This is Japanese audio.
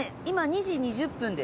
今２時２０分？